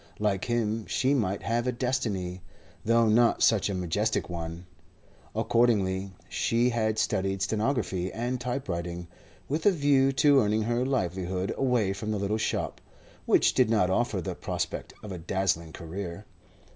Like him, she might have a destiny, though not such a majestic one, Accordingly she had studied stenography and typewriting, with a view to earning her livelihood away from the little shop, which did not offer the prospect of a dazzling career.